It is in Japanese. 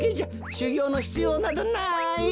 しゅぎょうのひつようなどない。